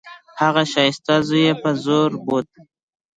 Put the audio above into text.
د هغه ښايسته زوى يې په زوره بوت.